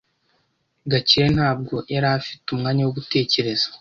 Gakire ntabwo yari afite umwanya wo gutekereza.